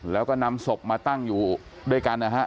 แล้วก็นำศพมาตั้งอยู่ด้วยกันนะฮะ